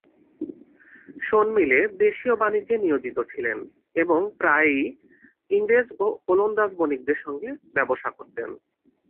শোনমিলে দেশিয় বাণিজ্যে নিয়োজিত ছিলেন এবং প্রায়ই ইংরেজ ও ওলন্দাজ বণিকদের সঙ্গে ব্যবসা করতেন।